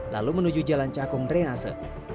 lalu menuju jalan cakung drenase